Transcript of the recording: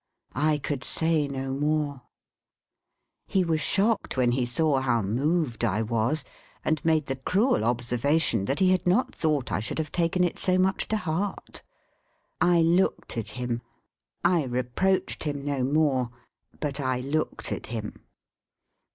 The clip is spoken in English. I could say no more. He was shocked when he saw how moved I was, and made the cruel observation, that he had not thought I should have taken it so much to heart. I looked at him. I reproached him no more. But I looked at him.